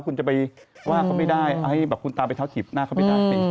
คุณจะไปว่าเขาไม่ได้ให้แบบคุณตามไปเท้าถีบหน้าเขาไม่ได้